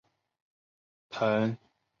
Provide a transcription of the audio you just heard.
藤原芳秀出身。